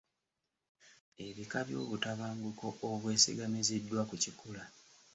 Ebika by'obutabanguko obwesigamiziddwa ku kikula.